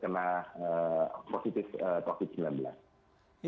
pertama sekali kita harus berhenti agar tidak ada yang mengobati covid sembilan belas